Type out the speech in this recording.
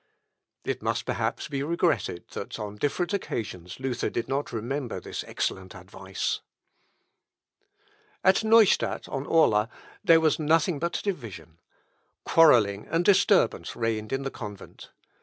It must perhaps be regretted, that on different occasions Luther did not remember this excellent advice. At Neustadt on Orla there was nothing but division. Quarrelling and disturbance reigned in the convent.